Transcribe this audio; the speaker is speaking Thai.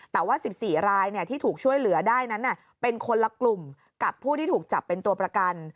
แต่ว่า๑๔รายที่ถูกช่วยเหลือได้นั้นเป็นคนละกลุ่มกับผู้ที่ถูกจับเป็นตัวประกัน